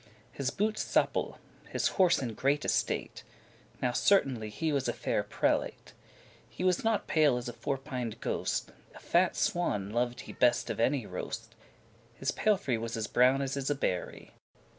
His bootes supple, his horse in great estate, Now certainly he was a fair prelate; He was not pale as a forpined* ghost; *wasted A fat swan lov'd he best of any roast. His palfrey was as brown as is a berry.